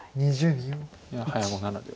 ２０秒。